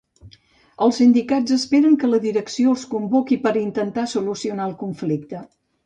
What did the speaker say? Els sindicats esperen que la direcció els convoqui per intentar solucionar el conflicte.